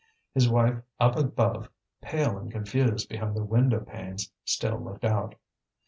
His wife up above, pale and confused behind the window panes, still looked out.